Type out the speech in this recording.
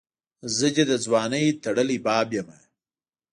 زه دي دځوانۍ ټړلي باب یمه